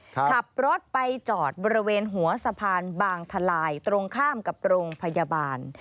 ขับรถไปจอดบริเวณหัวสะพานบางทลายตรงข้ามกับโรงพยาบาล